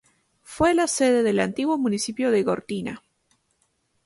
Fue la sede del antiguo municipio de Gortina.